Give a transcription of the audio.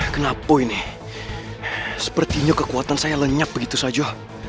kenapa ini sepertinya kekuatan saya lenyap begitu saja